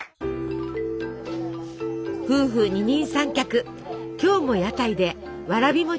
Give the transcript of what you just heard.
夫婦二人三脚今日も屋台でわらび餅を売ります。